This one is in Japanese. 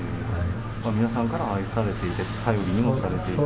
皆さんから愛されていて頼りにもされていたと？